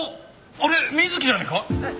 あれ水木じゃねえか？